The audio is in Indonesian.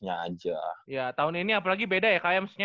ya tahun ini apalagi beda ya kayak misalnya